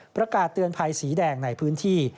ประกาศเตือนภัยสีแดงในพื้นที่